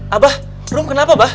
abah rum kenapa abah